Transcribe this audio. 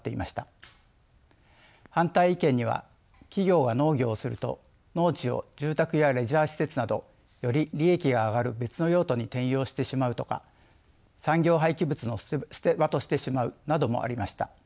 反対意見には企業が農業をすると農地を住宅やレジャー施設などより利益が上がる別の用途に転用してしまうとか産業廃棄物の捨て場としてしまうなどもありました。